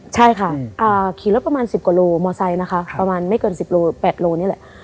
ใช่ค่ะขี่รถประมาณ๑๐กว่าโลมอไซค์นะคะประมาณไม่เกิน๑๘โลนี่แหละ